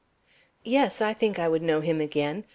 "Yes, I think I would know him again.